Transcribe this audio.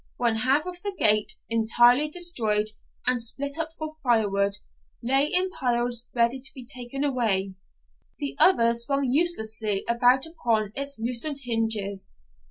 One half of the gate, entirely destroyed and split up for firewood, lay in piles, ready to be taken away; the other swung uselessly about upon its loosened hinges.